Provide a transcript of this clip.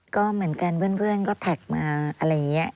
ก็เหมือนกันเพื่อนก็แท็กมาอะไรอย่างนี้